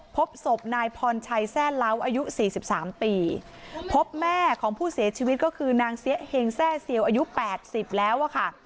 พบศพนายพรชัยแทร่เล้าอายุสี่สิบสามปีพบแม่ของผู้เสียชีวิตก็คือนางเสียเฮงแร่เซียวอายุแปดสิบแล้วอะค่ะ